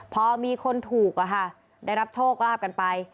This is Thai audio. พอมีคนถูกได้รับโชคลาภกันไป